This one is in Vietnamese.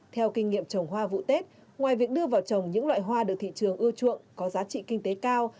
theo kinh nghiệm trồng hoa vụ tết ngoài việc đưa vào trồng những loại hoa được thị trường ưa chuộng có giá trị kinh tế cao